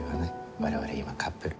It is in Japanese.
我々今カップル。